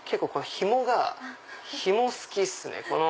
ひもが好きっすね